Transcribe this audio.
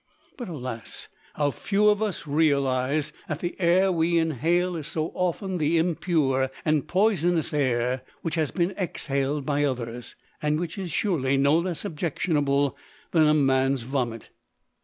But, alas, how few of us realise that the air we inhale is so often the impure and poisonous air which has been exhaled by others, and which is surely no less objectionable than a man's vomit!